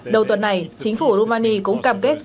đầu tuần này chính phủ albania cũng cam kết